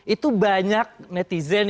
itu banyak netizen